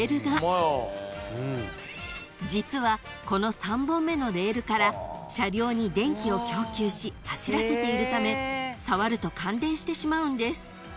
［実はこの３本目のレールから車両に電気を供給し走らせているため触ると感電してしまうんです］